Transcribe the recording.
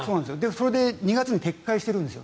それで２月に撤回してるんです。